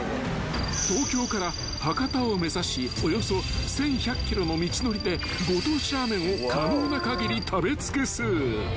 ［東京から博多を目指しおよそ１，１００ｋｍの道のりでご当地ラーメンを可能な限り食べ尽くす］